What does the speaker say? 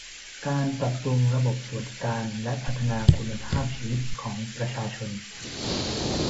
การปรับปรุงระบบสวัสดิการและพัฒนาคุณภาพชีวิตของประชาชน